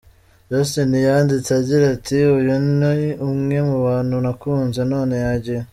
Justin yanditse agira ati :« Uyu ni umwe mu bantu nakunze none yagiye.